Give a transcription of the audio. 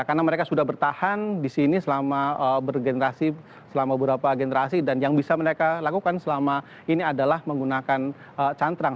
karena mereka sudah bertahan di sini selama bergenerasi selama beberapa generasi dan yang bisa mereka lakukan selama ini adalah menggunakan cantrang